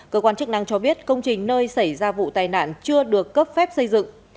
cơ quan chức năng cho biết công trình nơi xảy ra vụ tai nạn chưa được cấp phép xây dựng